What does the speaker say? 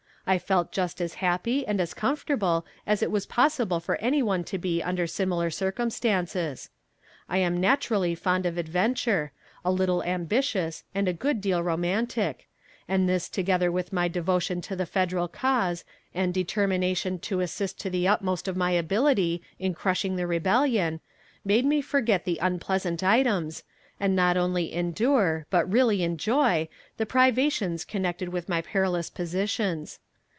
I felt just as happy and as comfortable as it was possible for any one to be under similar circumstances. I am naturally fond of adventure, a little ambitious and a good deal romantic, and this together with my devotion to the Federal cause and determination to assist to the utmost of my ability in crushing the rebellion, made me forget the unpleasant items, and not only endure, but really enjoy, the privations connected with my perilous positions.